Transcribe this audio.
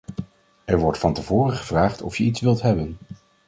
Er wordt van tevoren gevraagd of je iets wilt hebben.